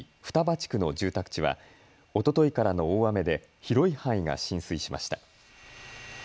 地区の住宅地はおとといからの大雨で広い範囲が浸水しました。